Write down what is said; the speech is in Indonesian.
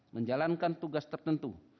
menjalankan tugas tertentu